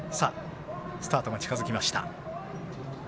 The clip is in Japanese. スタートが近づきました。